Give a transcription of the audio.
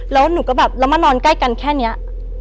แล้วหนูก็แบบเรามานอนใกล้กันแค่นี้